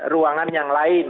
ruangan yang lain